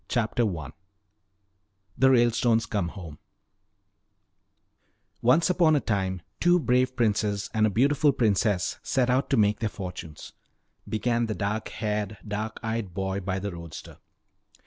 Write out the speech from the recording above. CHAPTER I THE RALESTONES COME HOME "Once upon a time two brave princes and a beautiful princess set out to make their fortunes " began the dark haired, dark eyed boy by the roadster.